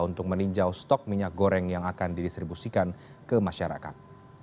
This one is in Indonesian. untuk meninjau stok minyak goreng yang akan didistribusikan ke masyarakat